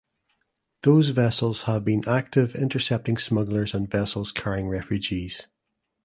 Those vessels have been active intercepting smugglers and vessels carrying refugees.